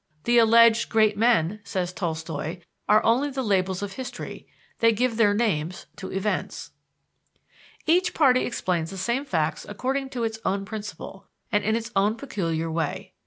"The alleged great men," says Tolstoi, "are only the labels of history, they give their names to events." Each party explains the same facts according to its own principle and in its own peculiar way.